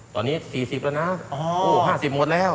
ตอนนี้๔๐แล้วนะ๕๐หมดแล้ว